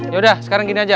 yaudah sekarang gini aja